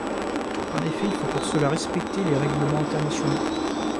En effet il faut pour cela respecter les règlements internationaux.